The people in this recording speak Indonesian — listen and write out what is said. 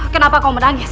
kenapa kau menangis